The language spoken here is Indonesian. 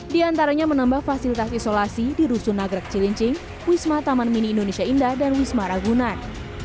di antaranya menambah fasilitas isolasi di rusun nagrek cilincing wisma taman mini indonesia indah dan wisma ragunan